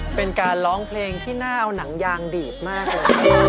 เป็นการร้องเพลงที่น่าเอาหนังยางดีดมากเลย